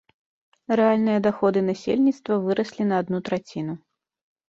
Рэальныя даходы насельніцтва выраслі на адну траціну.